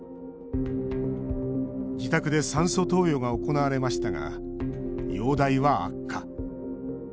自宅で酸素投与が行われましたが容体は悪化。